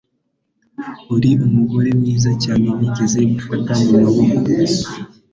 uri umugore mwiza cyane nigeze gufata mu maboko